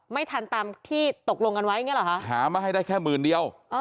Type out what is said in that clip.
ไม่ทันตามที่ตกลงกันไว้อย่างนี้หรอคะหามาให้ได้แค่หมื่นเดียว